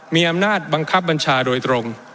มีอำนาจบังคับบัญชาโดยตรง